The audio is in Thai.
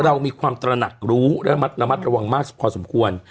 เรามีความตระหนักรู้และระมัดระวังมากพอสมควร